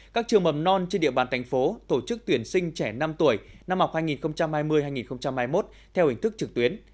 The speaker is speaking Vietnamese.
các trường mầm non trên địa bàn thành phố tổ chức tuyển sinh trẻ năm tuổi năm học hai nghìn hai mươi hai nghìn hai mươi một theo hình thức trực tuyến